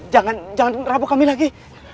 jangan jangan merampok kami lagi